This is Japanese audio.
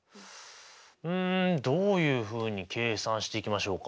うんどういうふうに計算していきましょうか。